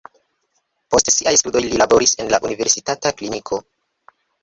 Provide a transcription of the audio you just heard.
Post siaj studoj li laboris en la universitata kliniko.